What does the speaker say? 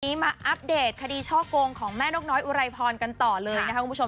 วันนี้มาอัปเดตคดีช่อกงของแม่นกน้อยอุไรพรกันต่อเลยนะคะคุณผู้ชม